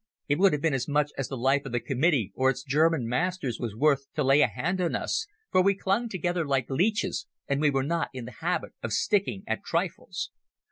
It would have been as much as the life of the Committee or its German masters was worth to lay a hand on us, for we clung together like leeches and we were not in the habit of sticking at trifles.